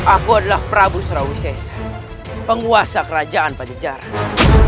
aku adalah prabu sarawisesa penguasa kerajaan pajajara